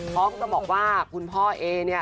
พ่อคุณต้องบอกว่าคุณพ่อเอง